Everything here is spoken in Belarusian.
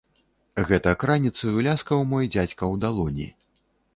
Гэтак раніцаю ляскаў мой дзядзька ў далоні.